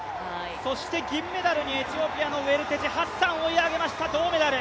そして銀メダルにエチオピアのウェルテジ、ハッサン追い上げました銅メダル。